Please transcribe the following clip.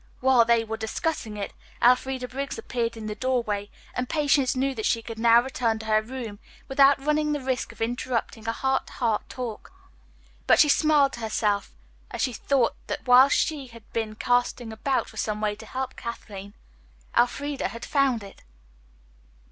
While they were discussing it, Elfreda Briggs appeared in the doorway and Patience knew that she could now return to her room without running the risk of interrupting a heart to heart talk. But she smiled to herself as she thought that while she had been casting about for some way to help Kathleen, Elfreda had found it.